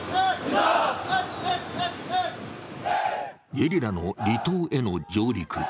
ゲリラの離島への上陸。